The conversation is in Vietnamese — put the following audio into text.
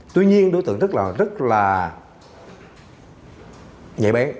tuy nhiên đối tượng rất là nhẹ bén